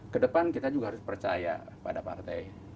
kedepan kita juga harus percaya pada partai